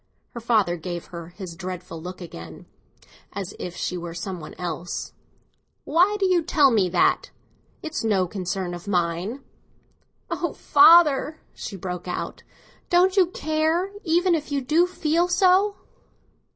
Her father gave her his dreadful look again, as if she were some one else. "Why do you tell me that? It's no concern of mine." "Oh, father!" she broke out, "don't you care, even if you do feel so?"